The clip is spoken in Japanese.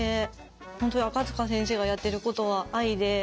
本当に赤先生がやってることは愛で。